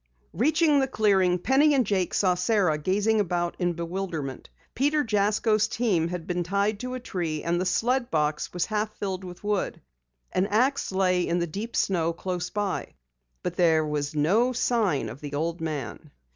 Reaching the clearing, Penny and Jake saw Sara gazing about in bewilderment. Peter Jasko's team had been tied to a tree and the sled box was half filled with wood. An ax lay in the deep snow close by. But there was no sign of the old man.